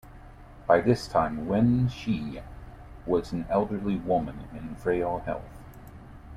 By this time, Wen Shi was an elderly woman in frail health.